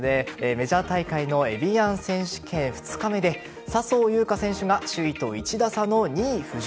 メジャー大会のエビアン選手権２日目で笹生優花選手が首位と１打差の２位浮上。